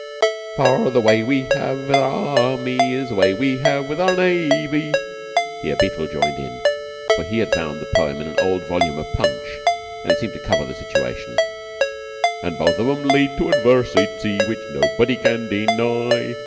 "For the way we have with our Army Is the way we have with our Navy." Here Beetle joined in. They had found the poem in an old volume of "Punch," and it seemed to cover the situation: "An' both of 'em led to adversity, Which nobody can deny!"